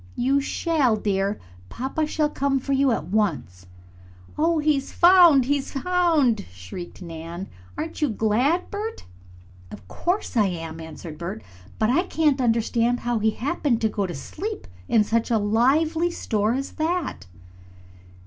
"You shall, dear. Papa shall come for you at once." "Oh, he's found! He's found!" shrieked Nan. "Aren't you glad, Bert?" "Of course I am," answered Bert. "But I can't understand how he happened to go to sleep in such a lively store as that."